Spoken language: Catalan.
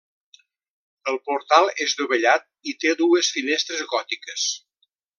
El portal és dovellat i té dues finestres gòtiques.